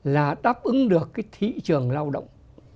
là đáp ứng được cái thị trường lao động